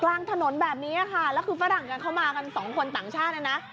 กลางถนนแบบนี้ค่ะแล้วคือฝรั่งกันเข้ามากันสองคนต่างชาตินะนะ